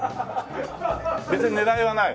別に狙いはない？